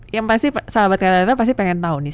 yang pasti sahabat sahabat pasti pengen tau nih